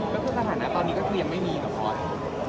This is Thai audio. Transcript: ก็คือสถานาตอนนี้ก็พูดยังไม่มีกับหอย